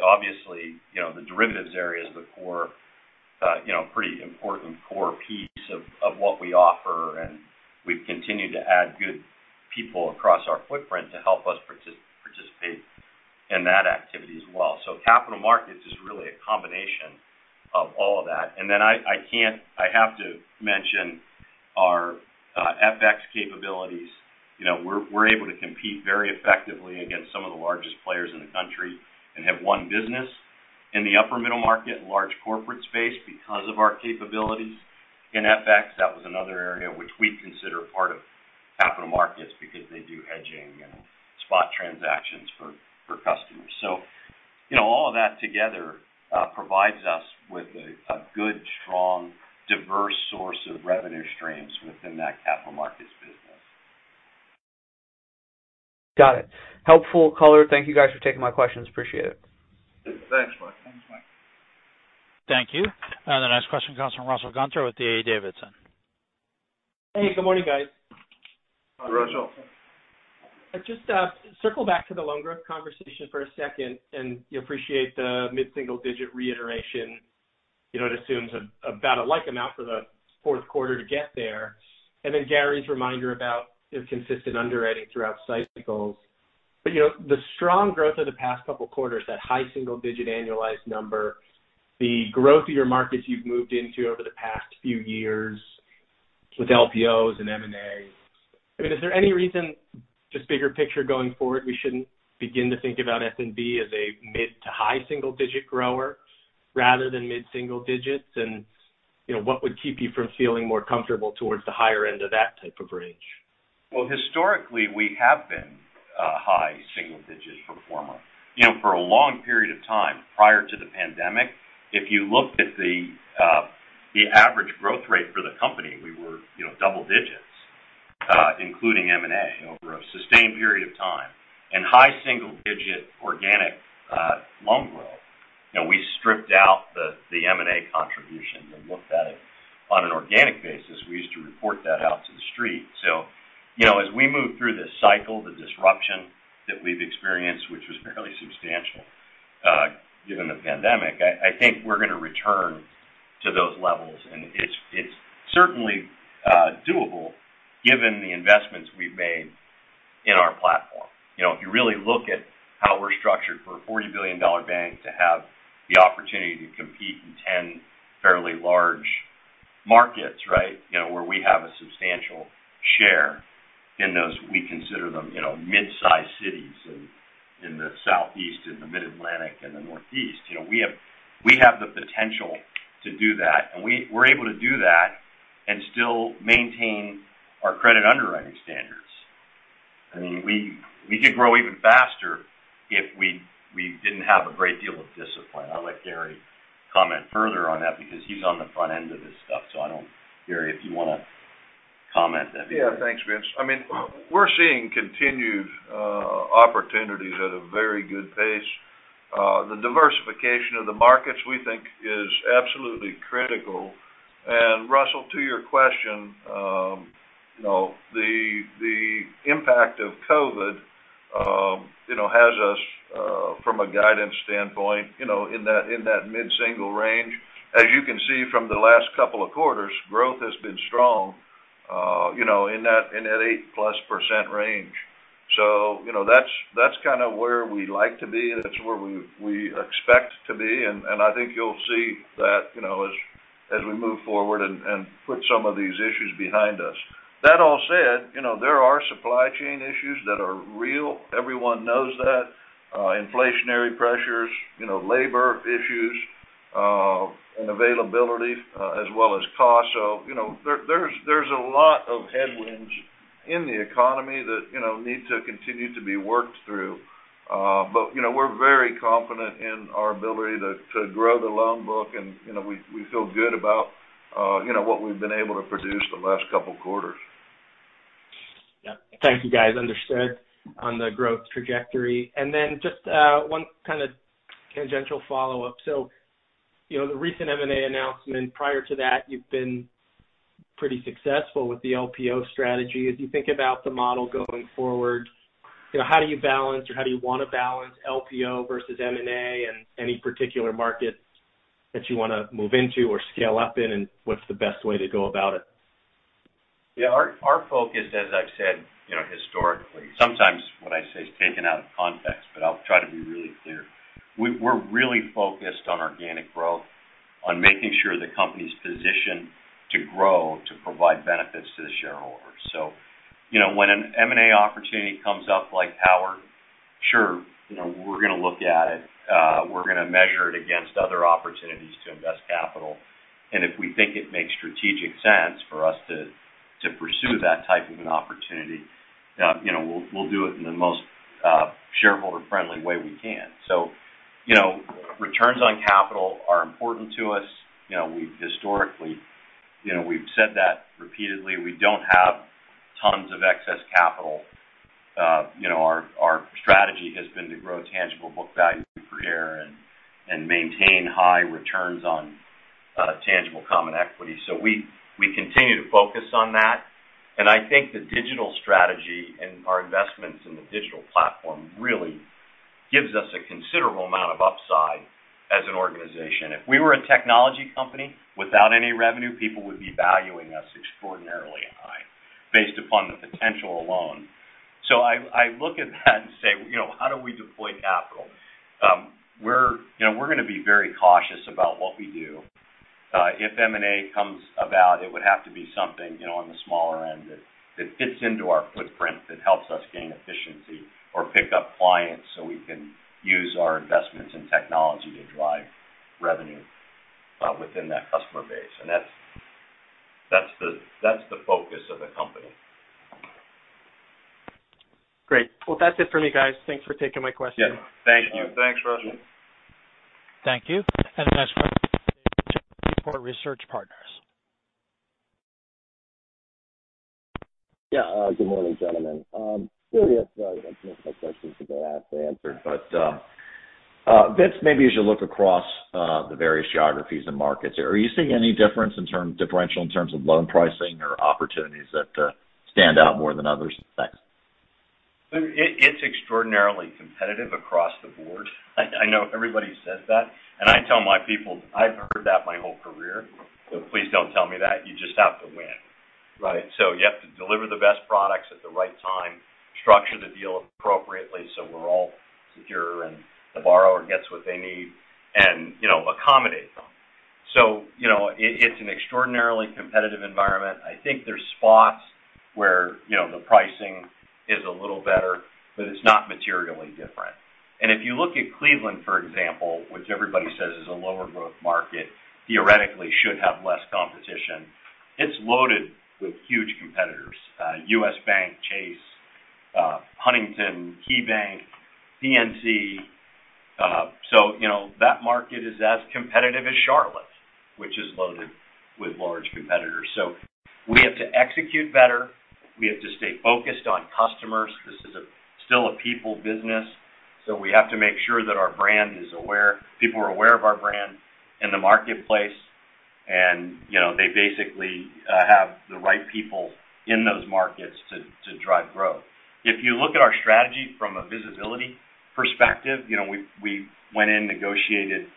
Obviously, the derivatives area is a pretty important core piece of what we offer, and we've continued to add good people across our footprint to help us participate in that activity as well. Capital markets is really a combination of all of that. I have to mention our FX capabilities. We're able to compete very effectively against some of the largest players in the country and have won business in the upper middle market and large corporate space because of our capabilities in FX. That was another area which we consider part of capital markets because they do hedging and spot transactions for customers. All of that together provides us with a good, strong, diverse source of revenue streams within that capital markets business. Got it. Helpful color. Thank you guys for taking my questions. Appreciate it. Thanks, Michael. Thanks, Michael. Thank you. The next question comes from Russell Gunther with the D.A. Davidson. Hey, good morning, guys. Morning, Russell. Just to circle back to the loan growth conversation for a second, and appreciate the mid-single digit reiteration. It assumes about a like amount for the fourth quarter to get there. Gary's reminder about consistent underwriting throughout cycles. The strong growth of the past couple of quarters, that high single digit annualized number, the growth of your markets you've moved into over the past few year. With LPOs and M&A. Is there any reason, just bigger picture going forward, we shouldn't begin to think about F.N.B. as a mid to high single digit grower rather than mid single digits? What would keep you from feeling more comfortable towards the higher end of that type of range? Well, historically, we have been a high single-digit performer. For a long period of time prior to the pandemic, if you looked at the average growth rate for the company, we were double digits including M&A over a sustained period of time, high single-digit organic loan growth. We stripped out the M&A contribution and looked at it on an organic basis. We used to report that out to the street. As we move through this cycle, the disruption that we've experienced, which was fairly substantial given the pandemic, I think we're going to return to those levels. It's certainly doable given the investments we've made in our platform. If you really look at how we're structured for a $40 billion bank to have the opportunity to compete in 10 fairly large markets, right? Where we have a substantial share in those, we consider them mid-size cities in the Southeast and the Mid-Atlantic and the Northeast. We have the potential to do that, and we're able to do that and still maintain our credit underwriting standards. We could grow even faster if we didn't have a great deal of discipline. I'll let Gary comment further on that because he's on the front end of this stuff. Gary, if you want to comment then. Thanks, Vince. We're seeing continued opportunities at a very good pace. The diversification of the markets, we think is absolutely critical. Russell, to your question, the impact of COVID has us from a guidance standpoint in that mid-single range. As you can see from the last couples quarters, growth has been strong in that 8%+ range. That's kind of where we like to be, and that's where we expect to be. I think you'll see that as we move forward and put some of these issues behind us. That all said, there are supply chain issues that are real. Everyone knows that. Inflationary pressures, labor issues, and availability as well as cost. There's a lot of headwinds in the economy that need to continue to be worked through. We're very confident in our ability to grow the loan book and we feel good about what we've been able to produce the last couple of quarters. Yeah. Thank you guys. Understood on the growth trajectory. Just one kind of tangential follow-up. The recent M&A announcement, prior to that, you've been pretty successful with the LPO strategy. As you think about the model going forward, how do you balance or how do you want to balance LPO versus M&A in any particular market that you want to move into or scale up in, and what's the best way to go about it? Yeah. Our focus, as I've said historically, sometimes what I say is taken out of context, but I'll try to be really clear. We're really focused on organic growth, on making sure the company's positioned to grow to provide benefits to the shareholders. When an M&A opportunity comes up like Howard, sure, we're going to look at it. We're going to measure it against other opportunities to invest capital. If we think it makes strategic sense for us to pursue that type of an opportunity, we'll do it in the most shareholder-friendly way we can. Returns on capital are important to us. Historically, we've said that repeatedly. We don't have tons of excess capital. Our strategy has been to grow tangible book value per share and maintain high returns on tangible common equity. We continue to focus on that. I think the digital strategy and our investments in the digital platform really gives us a considerable amount of upside as an organization. If we were a technology company without any revenue, people would be valuing us extraordinarily high based upon the potential alone. So I look at that and say, how do we deploy capital? We're going to be very cautious about what we do. If M&A comes about, it would have to be something on the smaller end that fits into our footprint, that helps us gain efficiency or pick up clients so we can use our investments in technology to drive revenue within that customer base. That's the focus of the company. Great. Well, that's it for me, guys. Thanks for taking my question. Yeah. Thank you. Thanks, Russell. Thank you. The next question is from Jeff Meeker at Research Partners. Yeah. Good morning, gentlemen. Curious, I think my question has been asked and answered, but Vince, maybe as you look across the various geographies and markets, are you seeing any differential in terms of loan pricing or opportunities that stand out more than others? Thanks. It's extraordinarily competitive across the board. I know everybody says that. I tell my people, I've heard that my whole career. Please don't tell me that. You just have to win. Right. You have to deliver the best products at the right time, structure the deal appropriately so we're all secure and the borrower gets what they need and accommodate them. It's an extraordinarily competitive environment. I think there's spots where the pricing is a little better, but it's not materially different. If you look at Cleveland, for example, which everybody says is a lower growth market, theoretically should have less competition. It's loaded with huge competitors, U.S. Bank, Chase, Huntington, KeyBank, PNC. That market is as competitive as Charlotte, which is loaded with large competitors. We have to execute better. We have to stay focused on customers. This is still a people business, so we have to make sure that our brand is aware, people are aware of our brand in the marketplace, and they basically have the right people in those markets to drive growth. If you look at our strategy from a visibility perspective, we went in, negotiated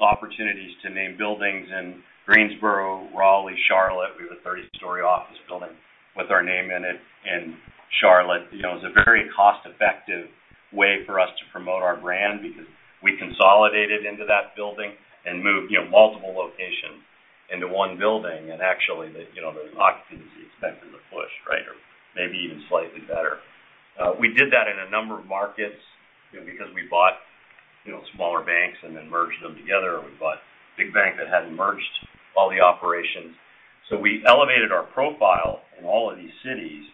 opportunities to name buildings in Greensboro, Raleigh, Charlotte. We have a 30-story office building with our name in it in Charlotte. It's a very cost-effective way for us to promote our brand because we consolidated into that building and moved multiple locations into one building. Actually, the occupancy is expected to push, right? Or maybe even slightly better. We did that in a number of markets because we bought smaller banks and then merged them together, or we bought big banks that hadn't merged all the operations. We elevated our profile in all of these cities,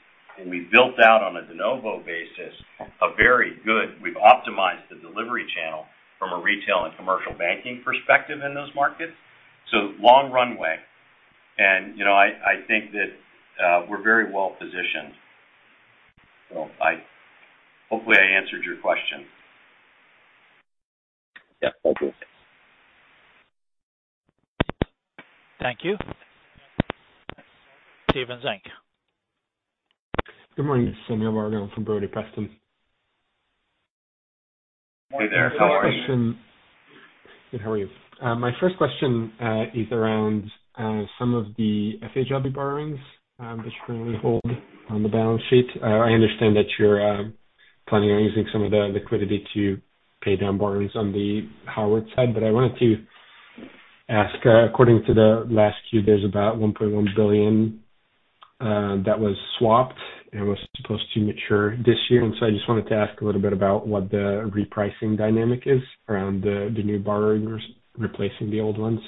and we built out on a de novo basis, a very good. We've optimized the delivery channel from a retail and commercial banking perspective in those markets. Long runway. I think that we're very well-positioned. Hopefully I answered your question. Yeah. Thank you. Thank you. Steven Zenk. Good morning. It's Samuel Margo from Brodie Preston. Hey there. How are you? Good. How are you? My first question is around some of the FHA borrowings that currently hold on the balance sheet. I understand that you're planning on using some of the liquidity to pay down borrowings on the Howard side. I wanted to ask, according to the last Q, there's about $1.1 billion that was swapped and was supposed to mature this year. I just wanted to ask a little bit about what the repricing dynamic is around the new borrowings replacing the old ones.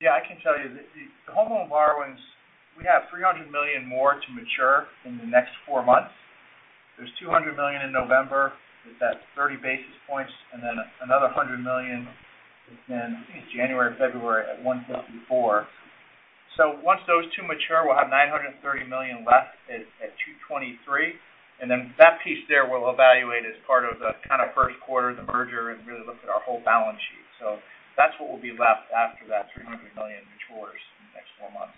Yeah, I can tell you. The FHLB borrowings, we have $300 million more to mature in the next four months. There's $200 million in November. That's 30 basis points. Then another $100 million in, I think, January, February at $154. Once those two mature, we'll have $930 million left at $223. Then that piece there we'll evaluate as part of the kind of first quarter of the merger and really look at our whole balance sheet. That's what will be left after that $300 million matures in the next four months.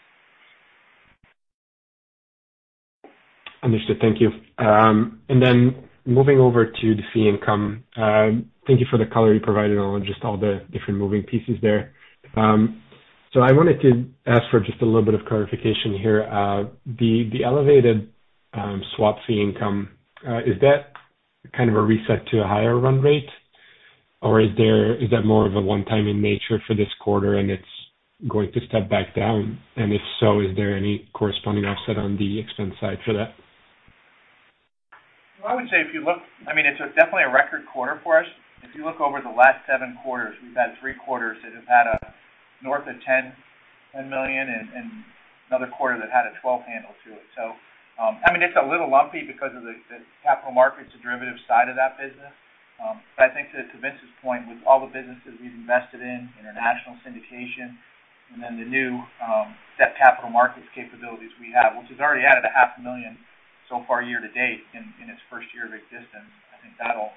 Understood. Thank you. Moving over to the fee income. Thank you for the color you provided on just all the different moving pieces there. I wanted to ask for just a little bit of clarification here. The elevated swap fee income, is that kind of a reset to a higher run rate? Is that more of a one-time in nature for this quarter and it's going to step back down? If so, is there any corresponding offset on the expense side for that? I would say it's definitely a record quarter for us. If you look over the last seven quarters, we've had three quarters that have had north of $10 million and another quarter that had a 12 handle to it. It's a little lumpy because of the capital markets derivative side of that business. I think to Vince's point, with all the businesses we've invested in, international syndication and then the new debt capital markets capabilities we have, which has already added a half million so far year to date in its first year of existence. I think that'll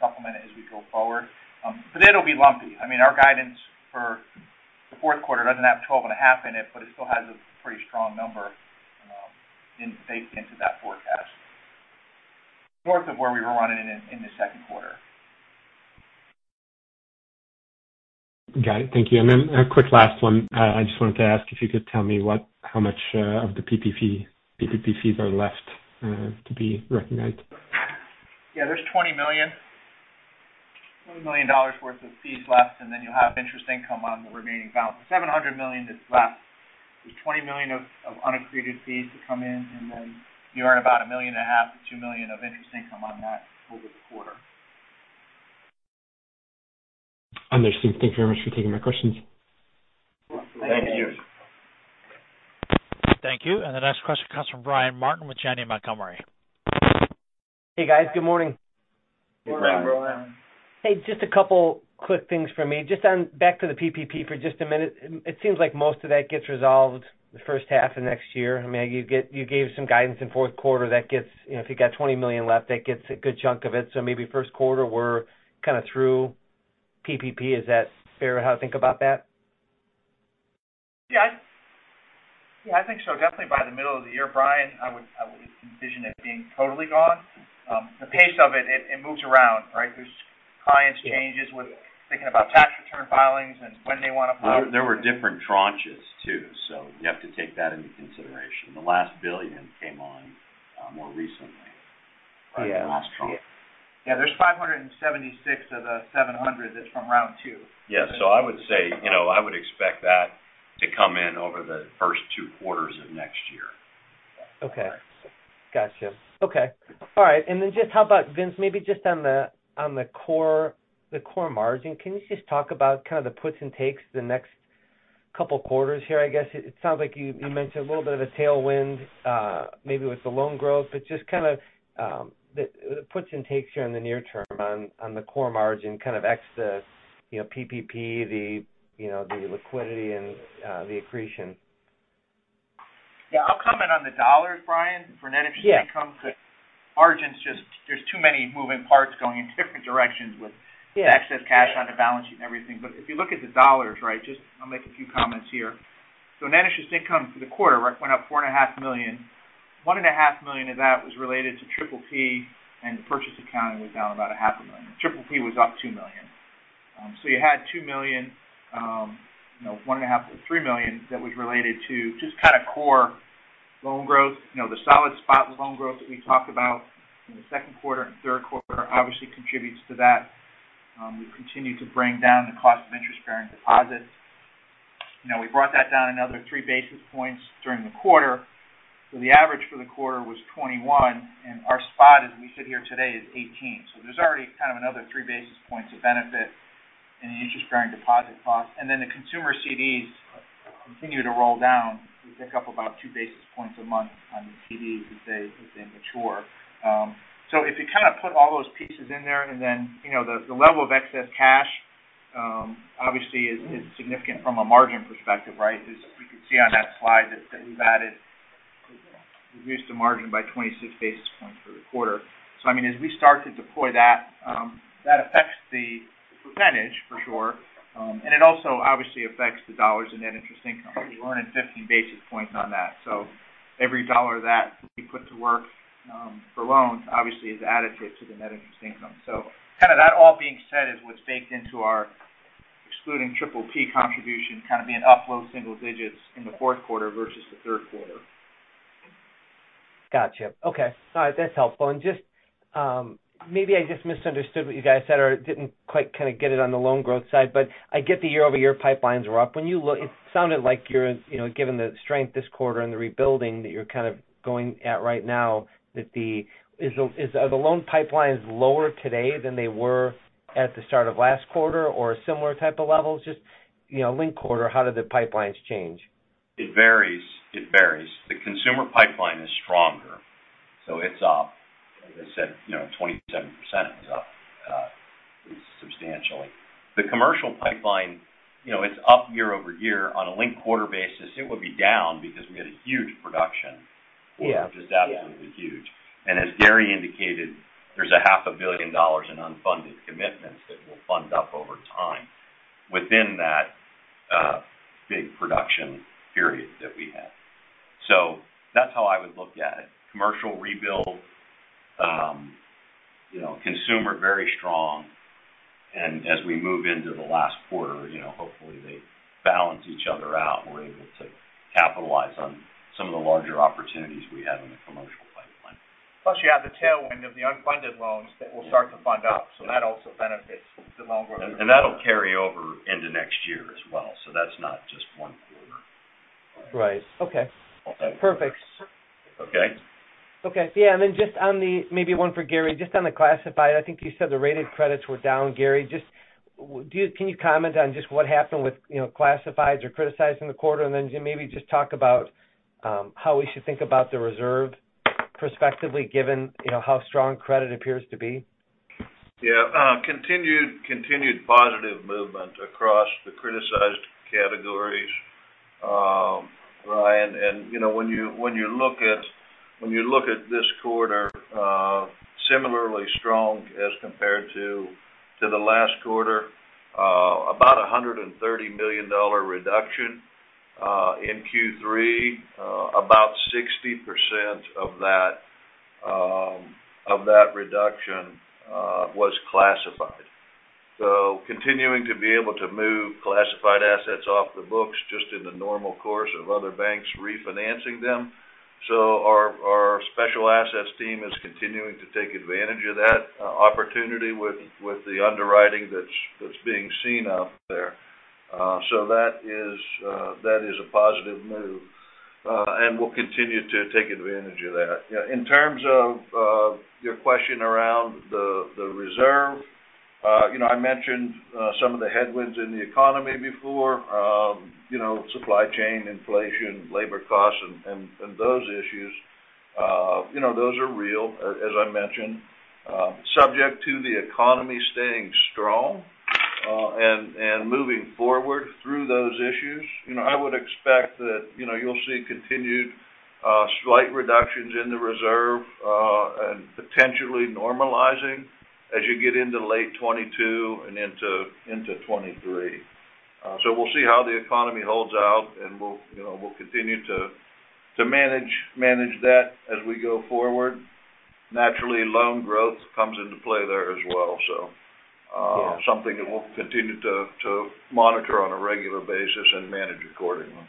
supplement it as we go forward. It'll be lumpy. Our guidance for the fourth quarter doesn't have 12 and a half in it still has a pretty strong number baked into that forecast. North of where we were running in the second quarter. Got it. Thank you. A quick last one. I just wanted to ask if you could tell me how much of the PPP fees are left to be recognized. Yeah. There's $20 million worth of fees left. Then you'll have interest income on the remaining balance. $700 million that's left with $20 million of unaccrued fees to come in. Then you earn about a million and a half to $2 million of interest income on that over the quarter. Understood. Thank you very much for taking my questions. Thank you. Thank you. The next question comes from Brian Martin with Janney Montgomery. Hey, guys. Good morning. Good morning, Brian. Hey, just a couple quick things for me. Just on back to the PPP for just a minute. It seems like most of that gets resolved the first half of next year. You gave some guidance in fourth quarter. If you got $20 million left, that gets a good chunk of it. Maybe first quarter we're kind of through PPP. Is that fair how to think about that? Yeah, I think so. Definitely by the middle of the year, Brian, I would envision it being totally gone. The pace of it moves around, right? Clients' changes with thinking about tax return filings and when they want to file. There were different tranches too. You have to take that into consideration. The last $1 billion came on more recently. Yeah. The last tranche. Yeah. There's 576 of the 700 that's from round two. Yeah. I would expect that to come in over the first two quarters of next year. Okay. Got you. Okay. All right. Just how about, Vince, maybe just on the core margin, can you just talk about kind of the puts and takes the next two quarters here? I guess it sounds like you mentioned a little bit of a tailwind, maybe with the loan growth, but just kind of the puts and takes here in the near term on the core margin, kind of ex the PPP, the liquidity, and the accretion. Yeah. I'll comment on the dollars, Brian, for net interest income because margins, just there's too many moving parts going in different directions. Yeah Excess cash on the balance sheet and everything. If you look at the dollars, right, just I'll make a few comments here. Net interest income for the quarter, right, went up $4.5 million. $1.5 million of that was related to PPP, and the purchase accounting was down about a half a million. PPP was up $2 million. You had $2 million, $1.5 million, $3 million that was related to just kind of core loan growth. The solid spot loan growth that we talked about in the second quarter and third quarter obviously contributes to that. We continue to bring down the cost of interest-bearing deposits. We brought that down another three basis points during the quarter. The average for the quarter was 21 basis points, and our spot as we sit here today is 18 basis points. There's already kind of another 3 basis points of benefit in the interest-bearing deposit cost. The consumer CDs continue to roll down. We pick up about 2 basis points a month on the CDs as they mature. If you kind of put all those pieces in there and then the level of excess cash, obviously is significant from a margin perspective, right? As we can see on that slide that we've added, we've reduced the margin by 26 basis points for the quarter. I mean, as we start to deploy that affects the percentage for sure, and it also obviously affects the dollars in net interest income. You're earning 50 basis points on that. Every dollar that we put to work for loans obviously is additive to the net interest income. Kind of that all being said is what's baked into our excluding PPP contribution, kind of being up low single digits in the fourth quarter versus the third quarter. Got you. Okay. All right. That's helpful. Just, maybe I just misunderstood what you guys said or didn't quite kind of get it on the loan growth side, but I get the year-over-year pipelines are up. It sounded like you're, given the strength this quarter and the rebuilding that you're kind of going at right now, are the loan pipelines lower today than they were at the start of last quarter, or a similar type of levels? Just linked quarter, how did the pipelines change? It varies. The consumer pipeline is stronger, so it's up. As I said, 27% is up substantially. The commercial pipeline, it's up year-over-year. On a linked quarter basis, it would be down because we had a huge production. Yeah Which is absolutely huge. As Gary indicated, there's a half a billion dollars in unfunded commitments that will fund up over time within that big production period that we had. That's how I would look at it. Commercial rebuild. Consumer, very strong. As we move into the last quarter, hopefully they balance each other out, and we're able to capitalize on some of the larger opportunities we have in the commercial pipeline. Plus, you have the tailwind of the unfunded loans that will start to fund up. That also benefits the loan growth. That'll carry over into next year as well. That's not just one quarter. Right. Okay. Perfect. Okay. Yeah, maybe one for Gary, just on the classified, I think you said the rated credits were down, Gary. Can you comment on just what happened with classifieds or criticized in the quarter? Maybe just talk about how we should think about the reserve prospectively given how strong credit appears to be. Yeah. Continued positive movement across the criticized categories, Brian. When you look at this quarter, similarly strong as compared to the last quarter, about $130 million reduction in Q3. About 60% of that reduction was classified. Continuing to be able to move classified assets off the books just in the normal course of other banks refinancing them. Our special assets team is continuing to take advantage of that opportunity with the underwriting that's being seen out there. That is a positive move. We'll continue to take advantage of that. In terms of your question around the reserve, I mentioned some of the headwinds in the economy before. Supply chain, inflation, labor costs, and those issues. Those are real, as I mentioned. Subject to the economy staying strong, and moving forward through those issues, I would expect that you'll see continued slight reductions in the reserve, and potentially normalizing as you get into late 2022 and into 2023. We'll see how the economy holds out, and we'll continue to To manage that as we go forward. Naturally, loan growth comes into play there as well. Yeah. Something that we'll continue to monitor on a regular basis and manage accordingly.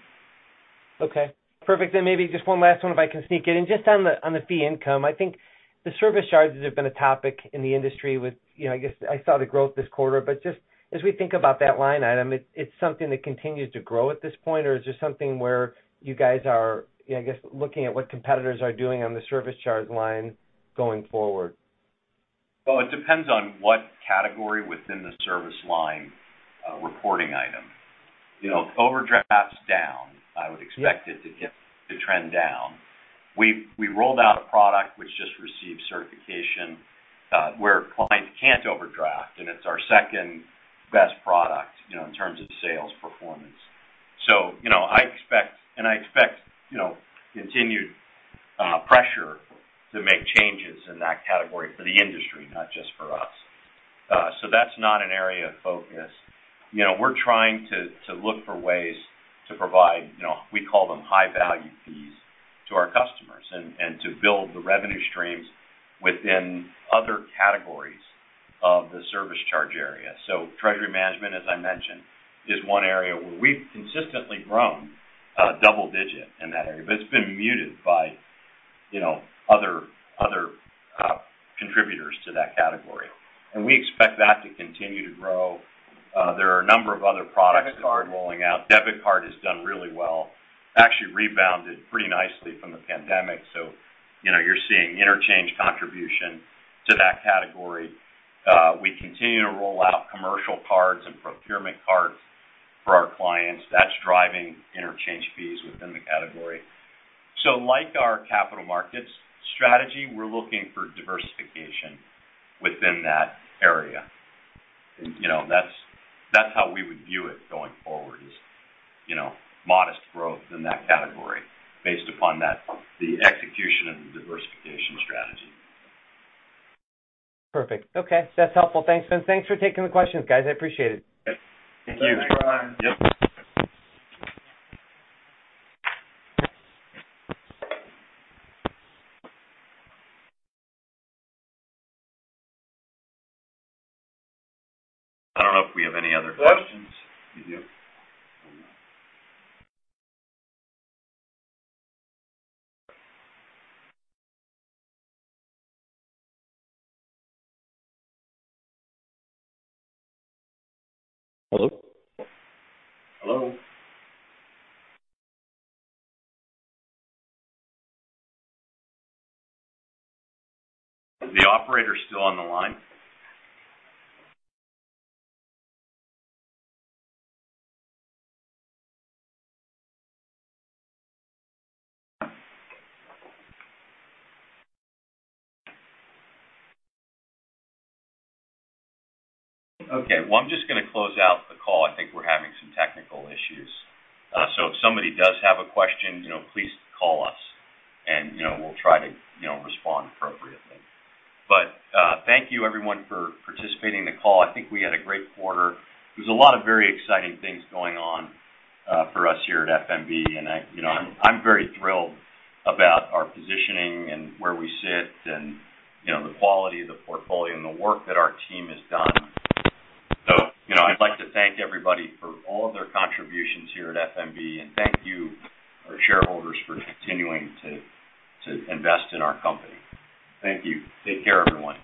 Okay, perfect. Maybe just last one, if I can sneak it in. Just on the fee income, I think the service charges have been a topic in the industry. I saw the growth this quarter, just as we think about that line item, it's something that continues to grow at this point, or is this something where you guys are looking at what competitors are doing on the service charge line going forward? Well, it depends on what category within the service line reporting item. Overdraft's down. I would expect it to trend down. We rolled out a product which just received certification where clients can't overdraft, and it's our second-best product in terms of sales performance. I expect continued pressure to make changes in that category for the industry, not just for us. That's not an area of focus. We're trying to look for ways to provide, we call them high-value fees to our customers and to build the revenue streams within other categories of the service charge area. Treasury management, as I mentioned, is one area where we've consistently grown double digit in that area. It's been muted by other contributors to that category. We expect that to continue to grow. There are a number of other products that we're rolling out. Debit card. Debit card has done really well. Actually rebounded pretty nicely from the pandemic. You're seeing interchange contribution to that category. We continue to roll out commercial cards and procurement cards for our clients. That's driving interchange fees within the category. Like our capital markets strategy, we're looking for diversification within that area. That's how we would view it going forward is modest growth in that category based upon the execution of the diversification strategy. Perfect. Okay. That's helpful. Thanks. Thanks for taking the questions, guys. I appreciate it. Thank you. Thanks, everyone. Yep. I don't know if we have any other questions. We do? Oh, no. Hello? Hello? Is the operator still on the line? Okay. Well, I'm just going to close out the call. I think we're having some technical issues. If somebody does have a question, please call us and we'll try to respond appropriately. Thank you, everyone, for participating in the call. I think we had a great quarter. There's a lot of very exciting things going on for us here at F.N.B., and I'm very thrilled about our positioning and where we sit and the quality of the portfolio and the work that our team has done. I'd like to thank everybody for all of their contributions here at F.N.B., and thank you, our shareholders, for continuing to invest in our company. Thank you. Take care, everyone.